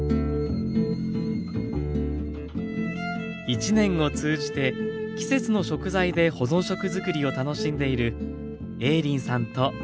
一年を通じて季節の食材で保存食づくりを楽しんでいる映林さんと静子さん。